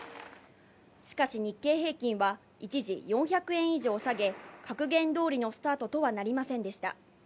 しかし日経平均は一時４００円以上下げ、格言通りのスタートとはなりませんでした。